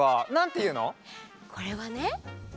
これはね。